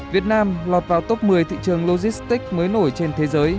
việt nam lọt vào top một mươi thị trường logistics mới nổi trên thế giới